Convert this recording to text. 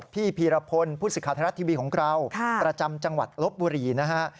พีรพลผู้สิทธิ์ไทยรัฐทีวีของเราประจำจังหวัดลบบุรีนะฮะ